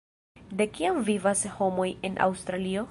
De kiam vivas homoj en Aŭstralio?